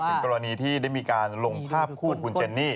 เป็นกรณีที่ได้มีการลงภาพคู่คุณเจนี่